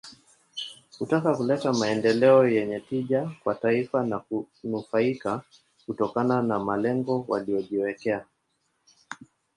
Kutaka kuleta maendeleo yenye tija kwa taifa na kunufaika kutokana na malengo waliyojiwekea